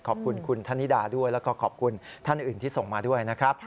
ขอบคุณคุณธนิดาด้วยแล้วก็ขอบคุณท่านอื่นที่ส่งมาด้วยนะครับ